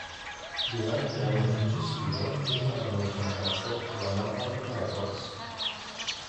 Durante l'anno successivo firmarono un contratto con la Napalm Records.